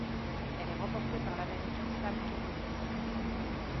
Elle est remportée par l'Américain Sam Kendricks.